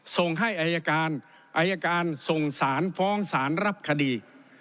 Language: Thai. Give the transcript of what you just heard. ส่งให้อายการอายการส่งสารฟ้องสารรับคดี